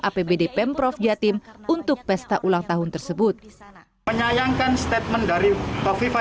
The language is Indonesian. apbd pemprov jatim untuk pesta ulang tahun tersebut penyayangkan statement dari kofifa